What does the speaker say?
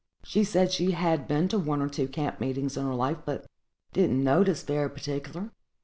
She said she had been to one or two camp meetings in her life, but "didn't notice very particular."